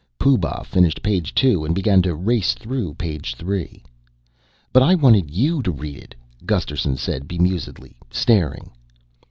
Pooh Bah finished page two and began to race through page three. "But I wanted you to read it," Gusterson said bemusedly, staring.